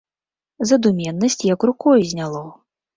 Задуменнасць як рукой зняло.